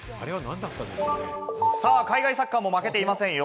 海外サッカーも負けていませんよ！